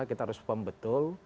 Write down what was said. kita harus paham betul